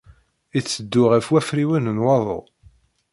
Itteddu ɣef wafriwen n waḍu.